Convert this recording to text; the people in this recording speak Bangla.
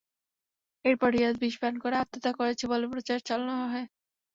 এরপর রিয়াজ বিষ পান করে আত্মহত্যা করেছে বলে প্রচার চালানো হয়।